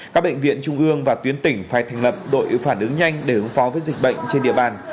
các bệnh viện trung ương và tuyến tỉnh phải thành lập đội phản ứng nhanh để ứng phó với dịch bệnh trên địa bàn